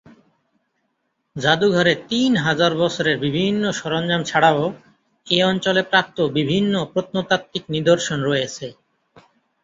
জাদুঘরে তিন হাজার বছরের বিভিন্ন সরঞ্জাম ছাড়াও এ অঞ্চলে প্রাপ্ত বিভিন্ন প্রত্নতাত্ত্বিক নিদর্শন রয়েছে।